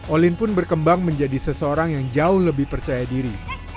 olin pun berkembang menjadi seseorang yang jauh lebih percaya diri